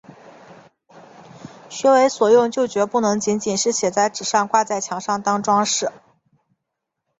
学为所用就决不能仅仅是写在纸上、挂在墙上当‘装饰’